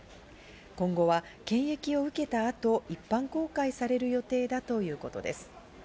今後は検疫を受けたあと、一般公開される予定だということです。